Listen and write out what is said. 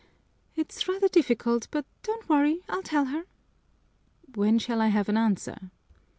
"It's rather difficult, but don't worry, I'll tell her." "When shall I have an answer?"